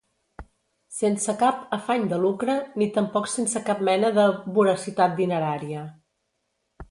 Sense cap “afany de lucre” ni tampoc sense cap mena de “voracitat dinerària”.